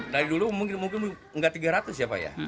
dari dulu mungkin nggak tiga ratus ya pak ya